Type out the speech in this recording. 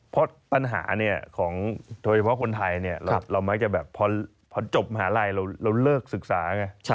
เพราะปัญหาของโดยเฉพาะคนไทยเรามักจะแบบพอจบมหาลัยเราเลิกศึกษาไง